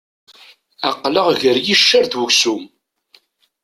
Aql-aɣ ger iccer d uksum.